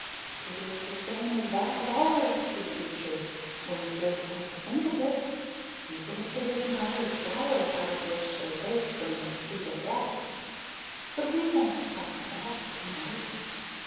"It is the same as that of all earthly creatures, when you really come to think of it, even if it isn't always flowers out of which they wake up from their sleep of death. But we won't talk of that to night."